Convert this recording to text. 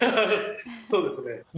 そうですね。